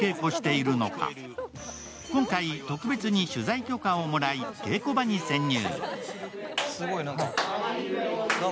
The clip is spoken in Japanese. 最初の疑問が今回特別に取材許可をもらい稽古場に潜入。